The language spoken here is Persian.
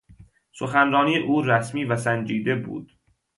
سخنرانی او رسمی و سنجیده بود.